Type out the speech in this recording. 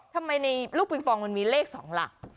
ทำไมในลูกปิงปองมันมีเลข๒หลัก